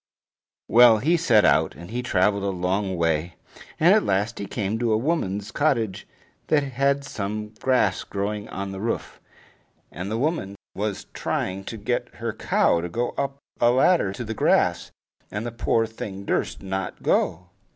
Well, he set out, and he traveled a long way, and at last he came to a woman's cottage that had some grass growing on the roof. And the woman was trying to get her cow to go up a ladder to the grass, and the poor thing durst not go.